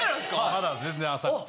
まだ全然浅くて。